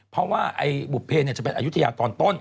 เพราะว่าไอ้บุภเพชรเนี่ยจะเป็นอายุทยาตอนต้น